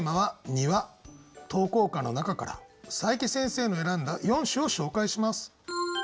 投稿歌の中から佐伯先生の選んだ４首を紹介します。